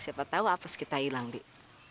siapa tahu apa sekitar hilang dik